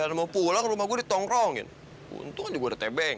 hai brengsek gar mau pulang rumah gue ditongkrongin untuk gue tebing